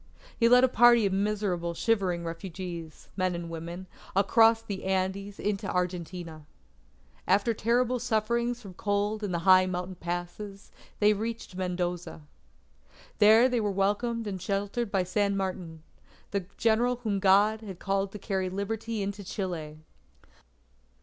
He led a party of miserable shivering refugees, men and women, across the Andes into Argentina. After terrible sufferings from cold in the high mountain passes, they reached Mendoza. There they were welcomed and sheltered by San Martin, the General whom God had called to carry Liberty into Chile.